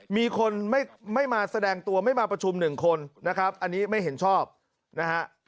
มีคนไม่มาแสดงตัวไม่มาประชุมหนึ่งคนนะครับอันนี้ไม่เห็นชอบนะฮะ